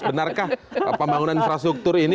benarkah pembangunan infrastruktur ini